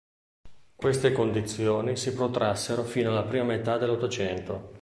Queste condizioni si protrassero fino alla prima metà dell'Ottocento.